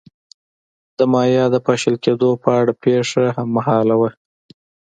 د مایا د پاشل کېدو په اړه پېښه هممهاله ده.